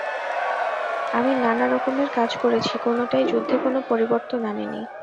আমি নানা রকমের কাজ করেছি, কোনোটাই যুদ্ধে কোন পরিবর্তন আনেনি।